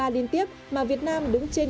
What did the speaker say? liên tiếp mà việt nam đứng trên